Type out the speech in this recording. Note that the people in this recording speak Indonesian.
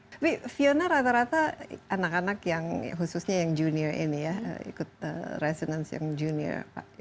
tapi fiona rata rata anak anak yang khususnya yang junior ini ya ikut resonance yang junior pak